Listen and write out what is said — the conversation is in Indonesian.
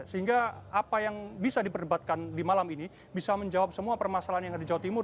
sehingga apa yang bisa diperdebatkan di malam ini bisa menjawab semua permasalahan yang ada di jawa timur